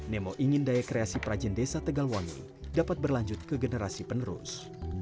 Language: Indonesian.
nemo ingin daya kreasi prajin desa tegalwangi dapat berlanjut ke generasi penerus